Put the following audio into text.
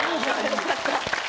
良かった。